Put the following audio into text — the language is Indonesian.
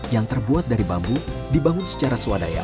yang terbuat dari bambu dibangun secara swadaya